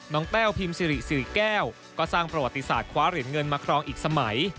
แต้วพิมพ์สิริสิริแก้วก็สร้างประวัติศาสตคว้าเหรียญเงินมาครองอีกสมัย